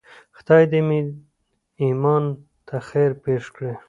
خدای دې مې ایمان ته خیر پېښ کړي.